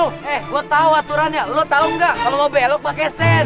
eh gue tau aturannya lo tau gak kalo mau belok pake sen